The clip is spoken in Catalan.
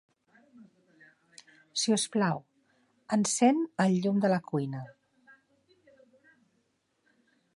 Sisplau, encén el llum de la cuina.